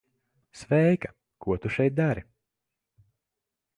Sveika. Ko tu šeit dari?